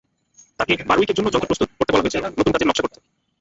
তাকে "বারউইকের জন্য যন্ত্র প্রস্তুত" করতে বলা হয়েছিল: নতুন কাজের নকশা করতে।